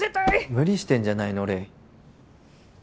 無理してんじゃないの？